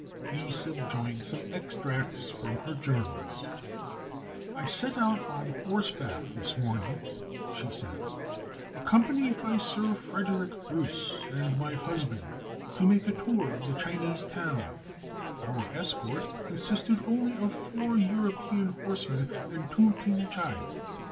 We subjoin some extracts from her journals: "I set out on horseback this morning," she says, "accompanied by Sir Frederick Bruce and my husband, to make a tour of the Chinese town; our escort consisted only of four European horsemen and two Ting tchaï.